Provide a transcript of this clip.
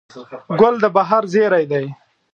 ګل د بهار زېری دی.